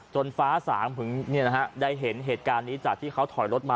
ฟ้าสางถึงได้เห็นเหตุการณ์นี้จากที่เขาถอยรถมา